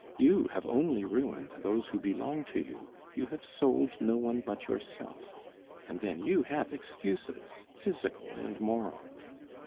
You have only ruined those who belong to you, you have sold no one but yourself; and then you have excuses, physical and moral."